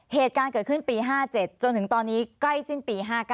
เหตุการณ์เกิดขึ้นปี๕๗จนถึงตอนนี้ใกล้สิ้นปี๕๙